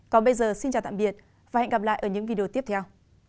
còn bây giờ xin chào tạm biệt và hẹn gặp lại ở những video tiếp theo